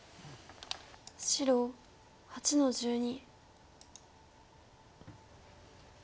白８の十二。